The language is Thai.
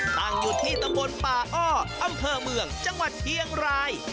ตั้งอยู่ที่ตำบลป่าอ้ออำเภอเมืองจังหวัดเชียงราย